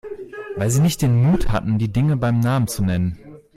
Weil Sie nicht den Mut hatten, die Dinge beim Namen zu nennen.